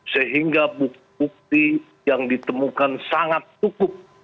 sehingga bukti bukti yang ditemukan sangat cukup